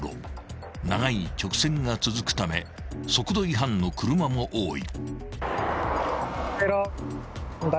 ［長い直線が続くため速度違反の車も多い］